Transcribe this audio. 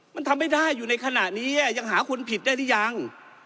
มันทำไม่ได้อยู่ในขณะนี้ยังหาคนผิดได้หรือยัง